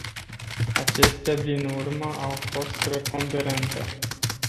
Acestea din urmă au fost preponderente.